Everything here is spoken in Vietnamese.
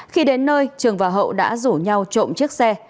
khi đến nơi trường và hậu đã rủ nhau trộm chiếc xe